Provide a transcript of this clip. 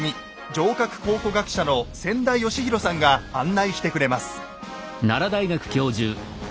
城郭考古学者の千田嘉博さんが案内してくれます。